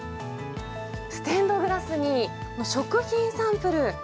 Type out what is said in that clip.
ステンドグラスに、食品サンプル。